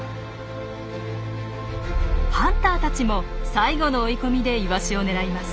ハンターたちも最後の追い込みでイワシを狙います。